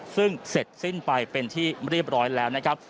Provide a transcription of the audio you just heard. ซึ่งเสร็จสิ้นไปเป็นที่เรียบร้อยแล้วนะครับ